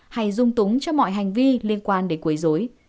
hay dung túng cho mọi hành vi liên quan đến quấy dối